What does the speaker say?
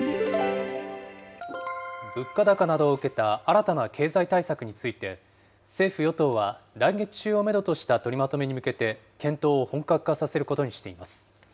物価高などを受けた新たな経済対策について、政府・与党は来月中をメドとした取りまとめに向けて検討を本格化させることにしています。